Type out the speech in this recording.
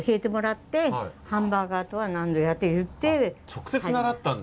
直接習ったんだ。